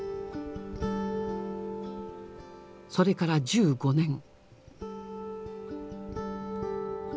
それから１５年。